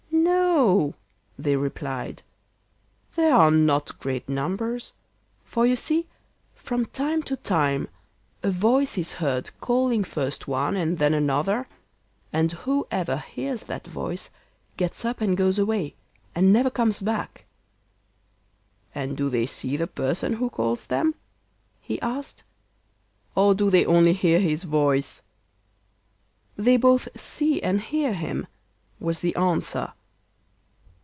'No,' they replied, 'there are not great numbers, for you see from time to time a voice is heard calling first one and then another, and whoever hears that voice gets up and goes away, and never comes back.' 'And do they see the person who calls them,' he asked, 'or do they only hear his voice?' 'They both see and hear him,' was the answer.